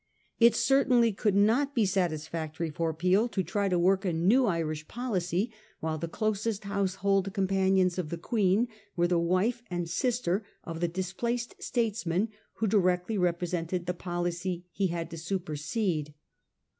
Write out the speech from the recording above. It certainly could not be satis factory for Peel to try to work a new Irish policy while the closest household companions of the Queen were the wife and sister of the displaced statesmen who directly represented the policy he had to super sede.